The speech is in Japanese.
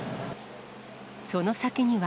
その先には。